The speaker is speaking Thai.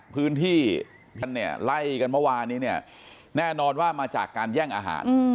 พื้นที่ไล่กันเมื่อวานนี้แน่นอนว่ามาจากการแย่งอาหาร